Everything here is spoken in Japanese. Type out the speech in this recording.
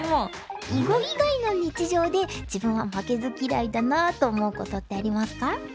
囲碁以外の日常で自分は負けず嫌いだなって思うことってありますか？